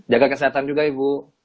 jaga kesehatan juga ibu